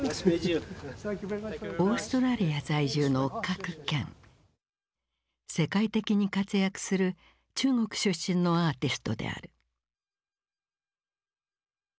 オーストラリア在住の世界的に活躍する中国出身のアーティストである。